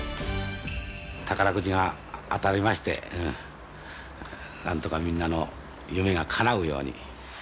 宝くじが当たりまして、なんとかみんなの夢がかなうように。